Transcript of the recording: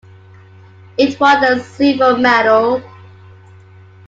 It won the silver medal.